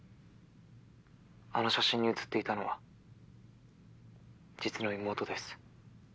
あの写真に写っていたのは実の妹です。